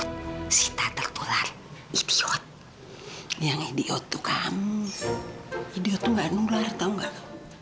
dia tuh gak nunglar tau gak